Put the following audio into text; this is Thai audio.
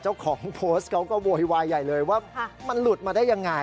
เจ้าของโพสต์เขาก็โวยวายใหญ่เลยว่ามันหลุดมาได้ยังไง